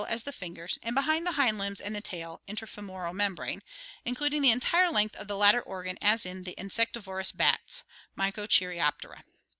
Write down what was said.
as the fingers, and between the hind limbs and the tail (interfemoral membrane), including the entire length of the latter organ as in the insectivorous bats (Microcheiroptera).